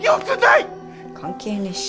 関係ねえし。